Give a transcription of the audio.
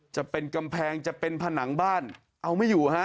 จะเป็นกำแพงจะเป็นผนังบ้านเอาไม่อยู่ฮะ